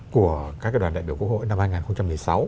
của các đoàn đại biểu quốc hội năm hai nghìn một mươi sáu